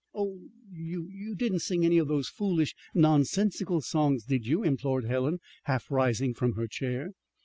Oh, you you didn't sing any of those foolish, nonsensical songs, did you?" implored Helen, half rising from her chair.